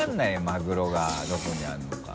マグロがどこにあるのか。